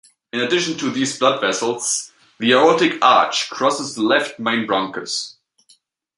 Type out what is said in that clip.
In addition to these blood vessels, the aortic arch crosses the left main bronchus.